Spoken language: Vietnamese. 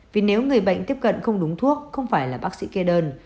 vì nếu người bệnh tiếp cận không đúng thuốc không phải là bác sĩ kê đơn